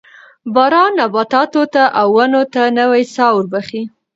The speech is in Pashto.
باران نباتاتو او ونو ته نوې ساه وربخښي